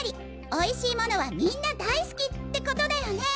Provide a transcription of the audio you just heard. おいしい物はみんな大好き！ってことだよね！